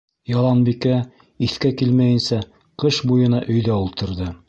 Яланбикә, иҫкә килмәйенсә, ҡыш буйына өйҙә ултырҙы.